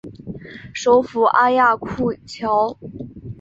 首府阿亚库乔。